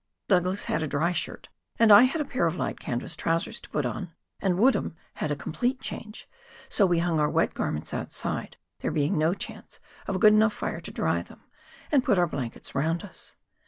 Douglas had a dry shirt, I had a pair of light canvas trousers to put on, and Woodhara had a complete change, so we hung our wet garments outside, there being no chance of a good enough fire to dry them, and put our blankets round us.